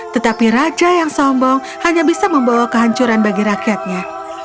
tetapi raja yang sombong hanya bisa membawa kehancuran bagi rakyatnya